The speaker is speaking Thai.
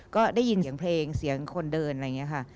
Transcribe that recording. ก็ได้ยินเสียงเพลงเสียงคนเดินอะไรอย่างนี้ค่ะ